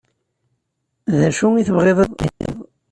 D acu i tebɣiḍ ad d-iniḍ.